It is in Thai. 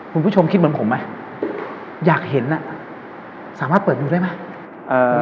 คุณผู้ชมคิดเหมือนผมไหมอยากเห็นอ่ะสามารถเปิดดูได้ไหมเอ่อ